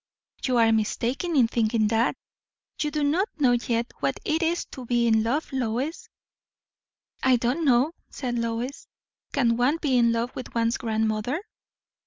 "You are mistaken in thinking that. You do not know yet what it is to be in love, Lois." "I don't know," said Lois. "Can't one be in love with one's grandmother?"